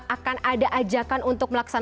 akan ada ajakan untuk